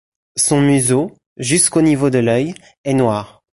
Son museau, jusqu'au niveau de l’œil, est noir.